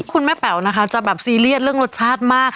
คุณแม่แป๋วนะคะจะแบบซีเรียสเรื่องรสชาติมาก